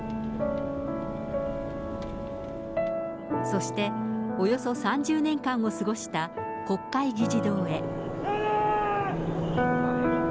そして、およそ３０年間を過ごした国会議事堂へ。